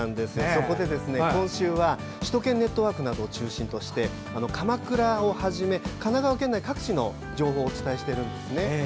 そこで今週は「首都圏ネットワーク」などを中心として鎌倉をはじめ神奈川県内各地の情報をお伝えしているんですね。